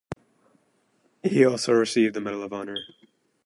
He also received the Medal of Honor.